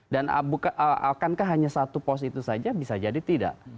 dan akankah hanya satu pos itu saja bisa jadi tidak